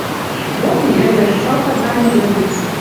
«Вот и ӹлӹ! Салтак гӹньӹ эргӹц